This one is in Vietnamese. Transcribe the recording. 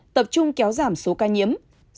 tập trung kéo giảm số ca nhiễm